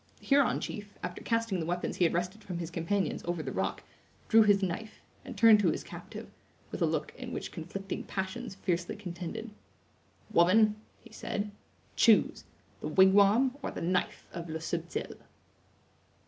The Huron chief, after casting the weapons he had wrested from his companions over the rock, drew his knife, and turned to his captive, with a look in which conflicting passions fiercely contended. "Woman," he said, "chose; the wigwam or the knife of Le Subtil!"